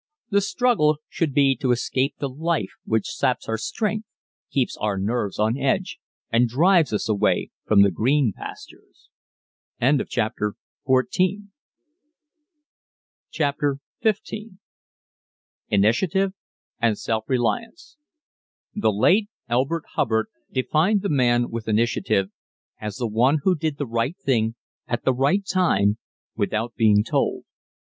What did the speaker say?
The struggle should be to escape the life which saps our strength, keeps our nerves on edge and drives us away from the green pastures. CHAPTER XV INITIATIVE AND SELF RELIANCE The late Elbert Hubbard defined the man with initiative as the one who did the right thing at the right time without being told.